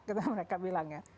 kata mereka bilang ya